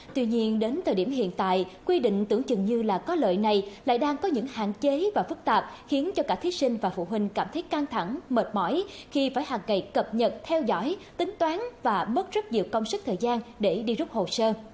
tuy nhiên đến thời điểm hiện tại quy định tưởng chừng như là có lợi này lại đang có những hạn chế và phức tạp khiến cho cả thí sinh và phụ huynh cảm thấy căng thẳng mệt mỏi khi phải hàng ngày cập nhật theo dõi tính toán và mất rất nhiều công sức thời gian để đi rút hồ sơ